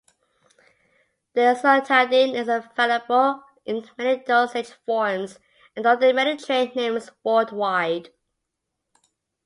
Desloratadine is available in many dosage forms and under many trade names worldwide.